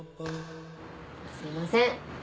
すみません